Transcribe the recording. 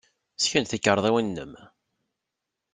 Ssken-d tikarḍiwin-nnem.